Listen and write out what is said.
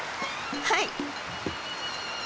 はい！